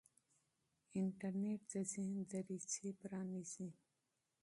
انټرنیټ د ذهن دریڅې پرانیزي.